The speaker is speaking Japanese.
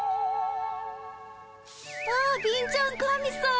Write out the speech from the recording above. あ貧ちゃん神さん。